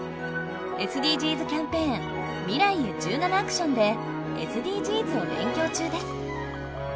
ＳＤＧｓキャンペーン「未来へ１７ａｃｔｉｏｎ」でＳＤＧｓを勉強中です。